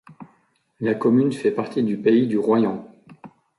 La commune fait partie du pays du Royans.